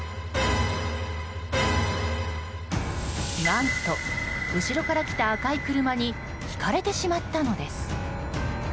何と、後ろから来た赤い車にひかれてしまったのです。